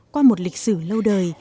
qua một lịch sử lâu đời